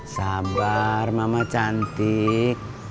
sabar mamah cantik